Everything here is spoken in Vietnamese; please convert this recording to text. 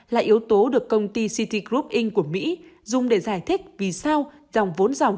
là yếu tố được công ty citigroup inc của mỹ dùng để giải thích vì sao dòng vốn dòng